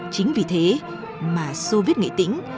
chính vì thế mà soviet nghệ tĩnh